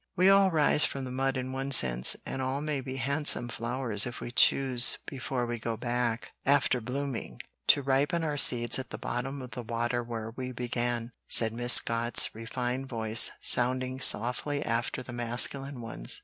"We all rise from the mud in one sense, and all may be handsome flowers if we choose before we go back, after blooming, to ripen our seeds at the bottom of the water where we began," said Miss Scott's refined voice, sounding softly after the masculine ones.